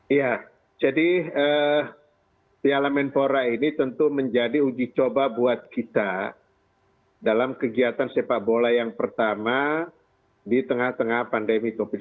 iya jadi piala menpora ini tentu menjadi uji coba buat kita dalam kegiatan sepak bola yang pertama di tengah tengah pandemi covid sembilan belas